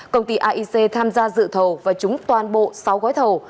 công ty aic tham gia dự thầu và trúng toàn bộ sáu gói thầu